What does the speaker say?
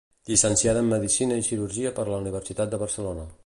Llicenciada en medicina i cirurgia per la Universitat de Barcelona.